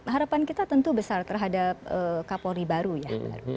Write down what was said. harapan kita tentu besar terhadap kapolri baru ya